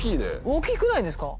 大きくないですか？